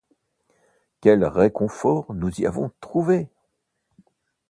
Quel réconfort nous y avons trouvé!